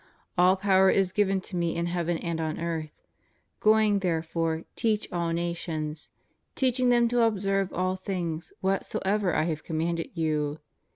All power is given to Me in heaven and on earth: going therefore teach all na^ tions .,. teaching them to observe all things whatsoever I have commanded you.